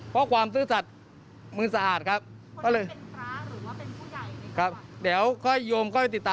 พระยนต์